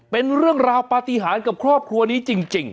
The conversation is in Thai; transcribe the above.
เป็นเรื่องราวปฏิหารกับครอบครัวนี้จริง